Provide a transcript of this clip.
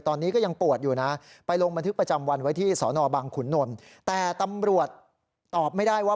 ตอนนี้ก็ยังปวดอยู่นะไปลงบันทึกประจำวันไว้ที่สอนอบังขุนนลแต่ตำรวจตอบไม่ได้ว่า